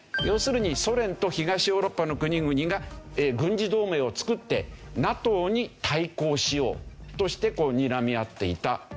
要するにソ連と東ヨーロッパの国々が軍事同盟を作ってＮＡＴＯに対抗しようとしてにらみ合っていた。